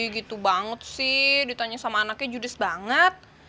gitu banget sih ditanya sama anaknya judis banget